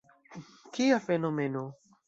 Kia fenomeno!